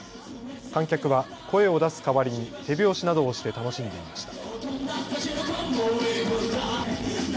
観客は声を出す代わりに手拍子などをして楽しんでいました。